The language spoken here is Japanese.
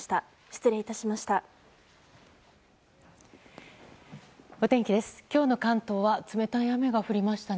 失礼いたしました。